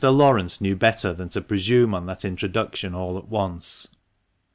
Laurence knew better than to presume on that introduction all at once.